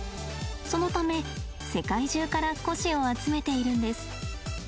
そのため世界中から古紙を集めているんです。